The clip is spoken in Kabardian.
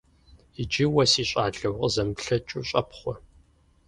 Иджы уэ, си щӀалэ, укъызэмыплъэкӀыу щӀэпхъуэ.